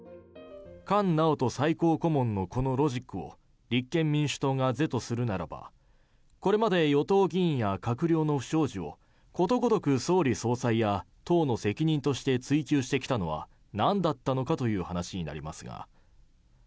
菅直人最高顧問のこのロジックを立憲民主党が是とするならばこれまで与党議員や閣僚の不祥事をことごとく総理総裁や当の責任として追及してきたのは何だったのかという話になりますが。